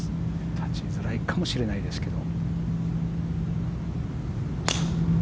立ちづらいかもしれないですけど。